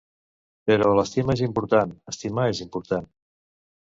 Però l'estima és important, estimar és important.